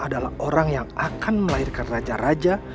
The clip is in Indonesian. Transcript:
adalah orang yang akan melahirkan raja raja